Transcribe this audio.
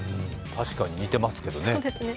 確かに似てますけどね。